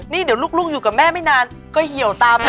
นี่เดี๋ยวลูกอยู่กับแม่ไม่นานก็เหี่ยวตามแม่